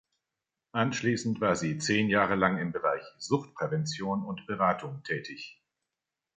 Anschließend war sie zehn Jahre lang im Bereich Suchtprävention und -beratung tätig.